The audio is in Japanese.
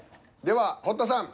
では堀田さん。